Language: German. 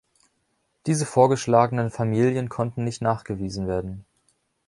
Diese vorgeschlagenen Familien konnten nicht nachgewiesen werden.